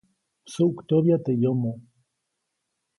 Msuʼktyoʼbya teʼ yomo.